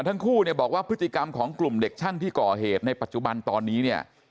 ทั้งคู่เนี่ยบอกว่าพฤติกรรมของกลุ่มเด็กช่างที่ก่อเหตุในปัจจุบันตอนนี้เนี่ย